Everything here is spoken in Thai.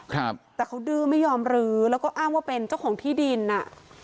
ครับแต่เขาดื้อไม่ยอมรื้อแล้วก็อ้างว่าเป็นเจ้าของที่ดินอ่ะ